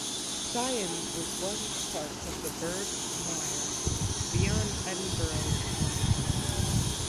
Sciennes was once part of the Burgh Muir beyond Edinburgh's town walls.